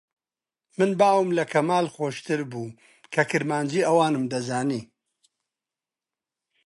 من باوم لە کەمال خۆشتر بوو کە کرمانجیی ئەوانم دەزانی